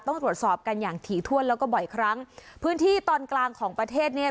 ต้องตรวจสอบกันอย่างถี่ถ้วนแล้วก็บ่อยครั้งพื้นที่ตอนกลางของประเทศเนี่ย